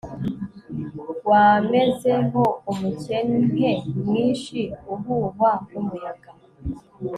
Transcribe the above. wameze ho umukenke mwinshi uhuhwa n'umuyaga